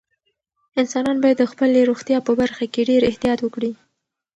انسانان باید د خپلې روغتیا په برخه کې ډېر احتیاط وکړي.